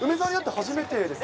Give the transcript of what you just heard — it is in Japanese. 初めてです。